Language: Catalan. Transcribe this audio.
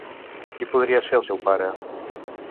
Qui podria ser el seu pare?